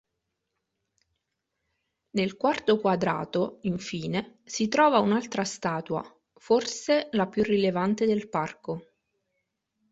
Nel quarto quadrato, infine, si trova un'altra statua, forse la più rilevante del parco.